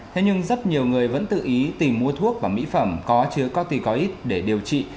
thế nhưng rất nhiều người vẫn tự ý tìm mua thuốc và mỹ phẩm có chứa coticoid để điều trị